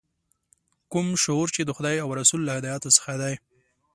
کوم شعور چې د خدای او رسول له هدایاتو څخه دی.